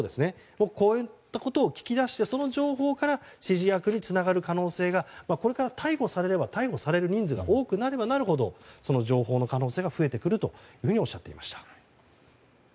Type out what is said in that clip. こういったことを聞き出してその情報から指示役につながる可能性がこれから逮捕される人数が多くなればなるほどその情報の可能性が増えてくるというふうにおっしゃっていました。